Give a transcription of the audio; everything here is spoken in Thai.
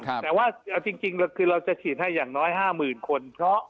แต่ว่าเอาจริงคือเราจะฉีดให้อย่างน้อย๕๐๐๐คน